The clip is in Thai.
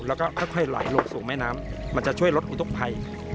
แล้วก็ค่อยไหลลงสู่แม่น้ำมันจะช่วยลดอุทธกภัย